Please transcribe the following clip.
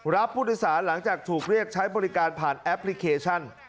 รับผู้โดยสารหลังจากถูกเรียกใช้บริการผ่านแอปพลิเคชัน